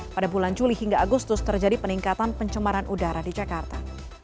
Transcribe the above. pada bulan juli hingga agustus terjadi peningkatan pencemaran udara di jakarta